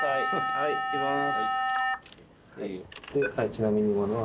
はいいきます。